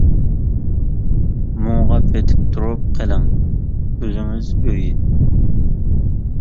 مۇڭغا پېتىپ تۇرۇپ قېلىڭ، ئۆزىڭىز ئۆيى.